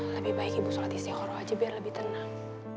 lebih baik ibu solat istiqorah aja biar lebih tenang